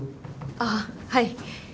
あっはい。